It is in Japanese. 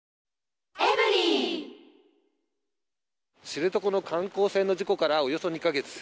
知床の観光船の事故からおよそ２か月。